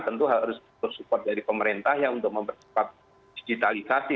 tentu harus support dari pemerintah ya untuk mempercepat digitalisasi